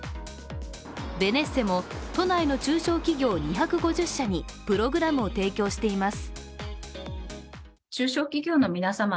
ベネッセも都内の中小企業２５０社にプログラムを提供しています。